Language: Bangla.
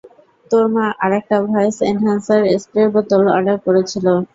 তোর মা আরেকটা ভয়েস এনহ্যান্সার স্প্রের বোতল অর্ডার করেছিল।